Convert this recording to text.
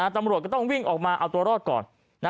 ตำรวจก็ต้องวิ่งออกมาเอาตัวรอดก่อน